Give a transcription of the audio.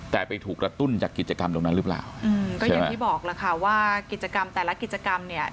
แต่ไปถูกกระตุ้นจากกิจกรรมตรงนั้นหรือเปล่าอืมก็อย่างที่บอกล่ะค่ะว่ากิจกรรมแต่ละกิจกรรมเนี่ย